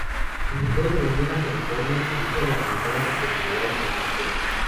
Se mudó de Union a California debido a las limitadas oportunidades en actuación.